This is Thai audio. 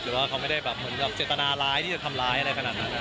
ว่าเขาไม่ได้แบบเหมือนกับเจตนาร้ายที่จะทำร้ายอะไรขนาดนั้น